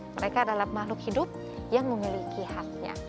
mereka adalah makhluk hidup yang memiliki haknya